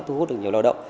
thu hút được nhiều lao động